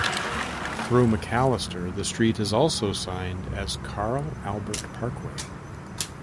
Through McAlester the street is also signed as Carl Albert Parkway.